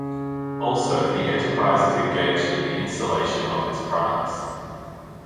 Also the enterprise is engaged in the installation of its products.